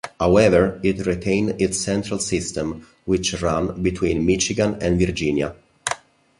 However, it retained its Central System, which ran between Michigan and Virginia.